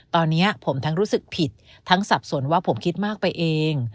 ตอนนี้ผมทั้งรู้สึกผิดทั้งสับสนว่าผมคิดมากไปเอง